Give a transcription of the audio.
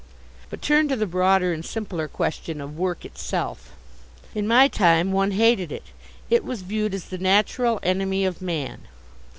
But turn to the broader and simpler question of work itself. In my time one hated it. It was viewed as the natural enemy of man.